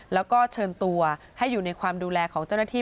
แล้วก็เชิญตัวให้อยู่ในความดูแลของเจ้าหน้าที่